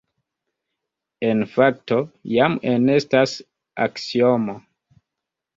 En fakto, jam enestas aksiomo.